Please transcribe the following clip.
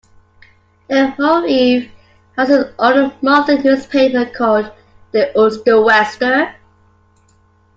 De Hoeve has its own monthly newspaper called "De OosterWester".